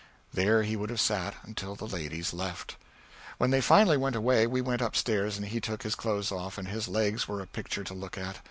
There he would have sat until the ladies left. When they finally went away we went up stairs and he took his clothes off, and his legs were a picture to look at.